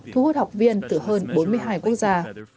thu hút học viên từ hơn bốn mươi hai quốc gia